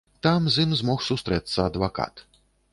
Там з ім змог сустрэцца адвакат.